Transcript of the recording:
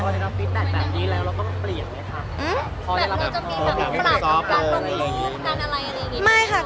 พอเรียนอฟฟิตแบบนี้แล้วเราต้องเปลี่ยนไหมค่ะ